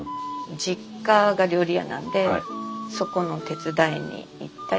実家が料理屋なんでそこの手伝いに行ったり。